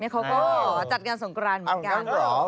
เขาก็จัดงานสงกรานเหมือนกัน